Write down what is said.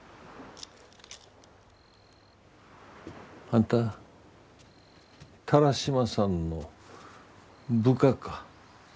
あんた田良島さんの部下か。